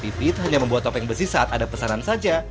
pipit hanya membuat topeng besi saat ada pesanan saja